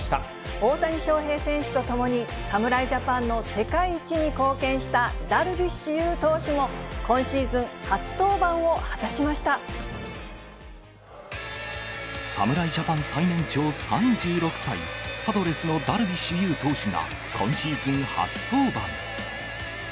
大谷翔平選手と共に侍ジャパンの世界一に貢献したダルビッシュ有投手も、今シーズン初登板を侍ジャパン最年長３６歳、パドレスのダルビッシュ有投手が、今シーズン初登板。